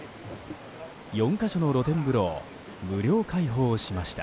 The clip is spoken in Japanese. ４か所の露天風呂を無料開放しました。